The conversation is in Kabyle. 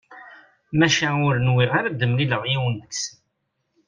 Maca ur nwiɣ ara ad d-mlileɣ yiwen deg-sen.